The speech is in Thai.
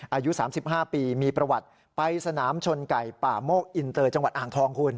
อายุ๓๕ปีมีประวัติไปสนามชนไก่ป่าโมกอินเตอร์จังหวัดอ่างทองคุณ